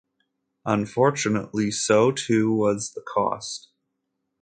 Unfortunately, so too was the cost.